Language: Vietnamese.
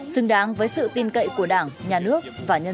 xứng đáng với sự tin cậy của đảng nhà nước và nhân dân